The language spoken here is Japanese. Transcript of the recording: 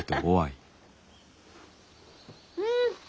うん！